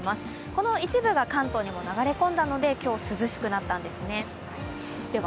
この一部が関東にも流れ込んだので、今日、涼しくなったんですね。